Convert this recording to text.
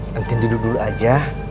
nanti duduk dulu aja